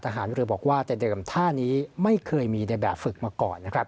หรือบอกว่าแต่เดิมท่านี้ไม่เคยมีในแบบฝึกมาก่อน